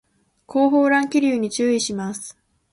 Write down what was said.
後方乱気流に注意します